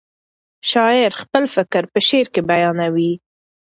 شاعر خپل فکر په شعر کې بیانوي.